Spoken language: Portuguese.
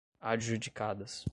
adjudicadas